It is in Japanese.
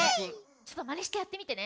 ちょっとマネしてやってみてね。